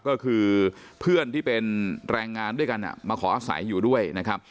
ก็คือเพื่อนที่เป็นแรงงานด้วยกันมาขออาศัยอยู่ด้วยนะครับ